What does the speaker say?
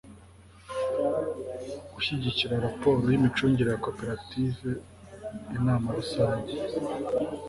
gushyikiriza raporo y'imicungire ya koperative inama rusange